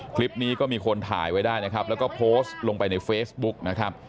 คลิปนี้ก็มีคนถ่ายไว้ได้นะครับแล้วก็โพสต์ลงไปในเฟซบุ๊กนะครับ